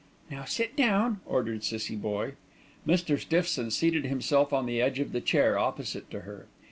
"Now sit down," ordered Cissie Boye. Mr. Stiffson seated himself on the edge of the chair opposite to her.